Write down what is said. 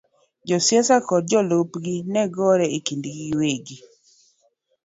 Josiasa kod jolupgi ne gore e kindgi giwegi,